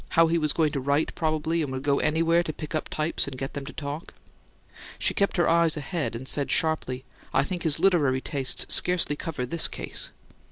How he was going to write, probably, and would go anywhere to pick up types and get them to talk?" She kept her eyes ahead, and said sharply, "I think his literary tastes scarcely cover this case!"